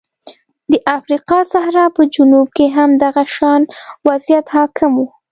د افریقا صحرا په جنوب کې هم دغه شان وضعیت حاکم و.